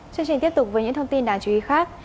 chương trình tiếp tục với những thông tin đáng chú ý khác